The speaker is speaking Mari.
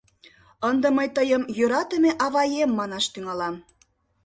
Ынде мый тыйым «йӧратыме аваем» манаш тӱҥалам.